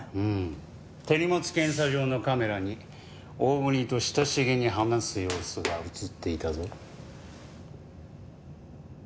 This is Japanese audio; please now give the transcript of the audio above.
うん手荷物検査場のカメラに大國と親しげに話す様子が映っていたぞ。